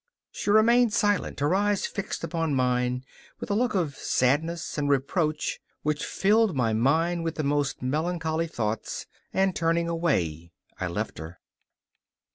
She remained silent, her eyes fixed upon mine with a look of sadness and reproach which filled my mind with the most melancholy thoughts, and, turning away, I left her.